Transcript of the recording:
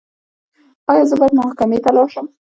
ایا زه باید محکمې ته لاړ شم؟